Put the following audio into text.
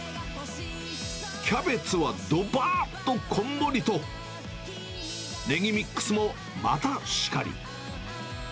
キャベツはどばーっとこんもりと、ねぎミックスもまたしかり。